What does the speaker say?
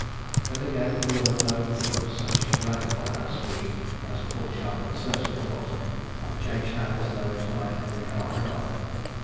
Then again, we were loth to put such a drag upon our speed as a full chargal certainly was, change hands though it might every half hour.